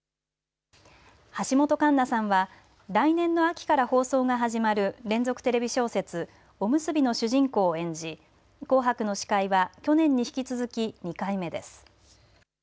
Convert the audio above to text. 橋本環奈さんは来年の秋から放送が始まる連続テレビ小説おむすびの主人公を演じ紅白の司会は去年に引き続き２回目です。